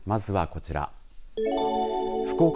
まずはこちら。